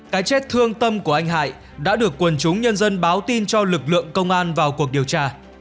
cái chết thương tâm của anh hải đã được quần chúng nhân dân báo tin cho lực lượng công an vào cuộc điều tra